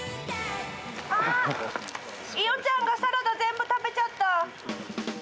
あ、イヨちゃんがサラダ全部食べちゃった。